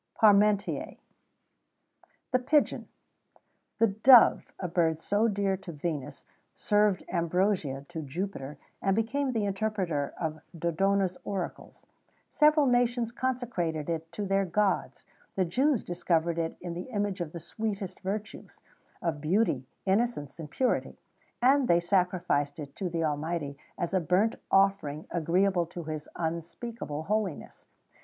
PARMENTIER. THE PIGEON. The dove, a bird so dear to Venus,[XVII 81] served ambrosia to Jupiter,[XVII 82] and became the interpreter of Dodona's oracles.[XVII 83] Several nations consecrated it to their gods.[XVII 84] The Jews discovered in it the image of the sweetest virtues,[XVII 85] of beauty, innocence, and purity;[XVII 86] and they sacrificed it to the Almighty, as a burnt offering agreeable to His unspeakable holiness.